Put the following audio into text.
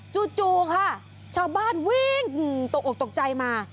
จู่ค่ะชาวบ้านวิ่งตกออกตกใจมา